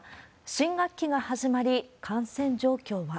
新学期が始まり、感染状況は。